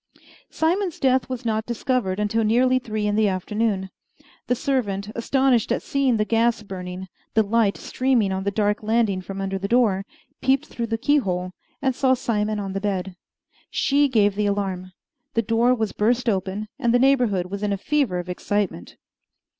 Simon's death was not discovered until nearly three in the afternoon. The servant, astonished at seeing the gas burning the light streaming on the dark landing from under the door peeped through the keyhole and saw Simon on the bed. She gave the alarm. The door was burst open, and the neighborhood was in a fever of excitement.